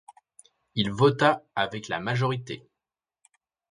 Il vota avec la majorité.